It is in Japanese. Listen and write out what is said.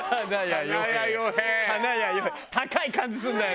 高い感じするんだよね。